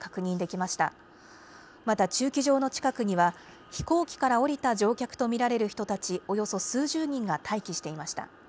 また駐機場の近くには飛行機から降りた乗客と見られる人たちおよそ数十人が待機していました。